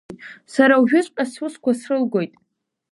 Сара уажәыҵәҟьа сусқәа срылгоит!